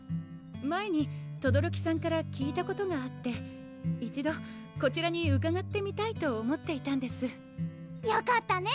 前に轟さんから聞いたことがあって一度こちらにうかがってみたいと思っていたんですよかったね